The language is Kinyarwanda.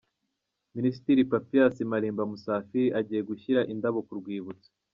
Minisitiri Papias Malimba Musafiri agiye gushyira indabo ku rwibutso.